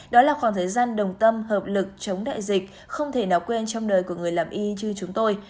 đó là khoảng thời gian đồng tâm hợp lực chống đại dịch không thể nào quên trong đời của người làm y như chúng tôi